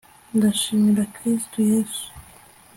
ndashimira Kristo Yesu